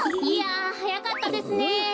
いやはやかったですね。